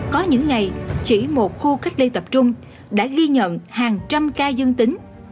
có những ngày chỉ một khu cách ly tập trung đã ghi nhận hàng trăm ca dân tính